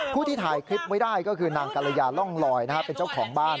ที่ถ่ายคลิปไว้ได้ก็คือนางกรยาร่องลอยเป็นเจ้าของบ้าน